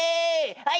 はい！